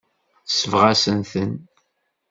Tesbeɣ-as-ten.